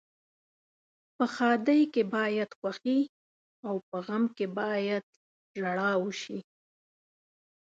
په ښادۍ کې باید خوښي او په غم کې باید ژاړا وشي.